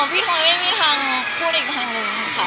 พี่ทอยไม่มีทางพูดอีกทางนึงค่ะ